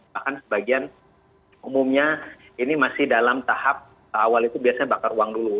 bahkan sebagian umumnya ini masih dalam tahap awal itu biasanya bakar uang dulu